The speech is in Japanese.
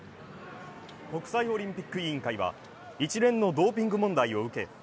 国際オリンピック委員会は一連のドーピング問題を受け